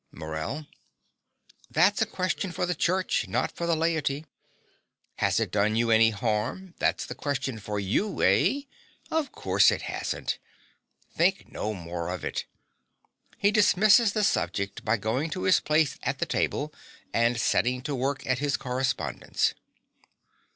MORELL. That's a question for the Church, not for the laity. Has it done you any harm, that's the question for you, eh? Of course, it hasn't. Think no more of it. (He dismisses the subject by going to his place at the table and setting to work at his correspondence.)